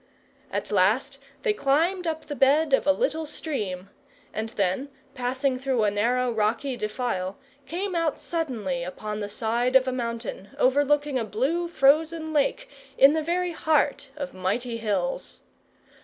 At last they climbed up the bed of a little stream, and then, passing through a narrow rocky defile, came out suddenly upon the side of a mountain, overlooking a blue frozen lake in the very heart of mighty hills.